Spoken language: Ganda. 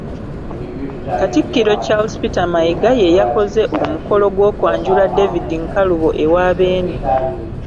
Katikkiro Charles Peter Mayiga ye yakoze omukolo gw’okwanjula David Nkalubo ewa Beene.